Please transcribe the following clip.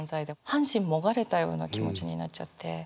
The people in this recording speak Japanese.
半身もがれたような気持ちになっちゃって。